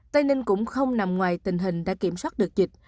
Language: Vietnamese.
tây ninh cũng không nằm ngoài tình hình đã kiểm soát covid một mươi chín